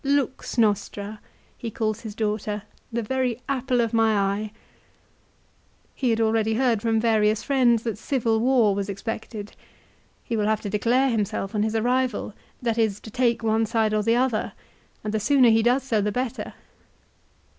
" Lux nostra " he calls his daughter ;" the very apple of my eye !" He had already heard from various friends that civil war was expected. He will have to declare himself on his arrival, that is to take one side or the other, and the sooner he does so the better.